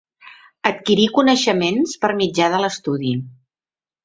Adquirir coneixements per mitjà de l'estudi.